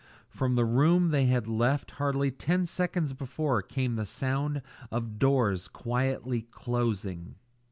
From the room they had left hardly ten seconds before came the sound of doors quietly closing.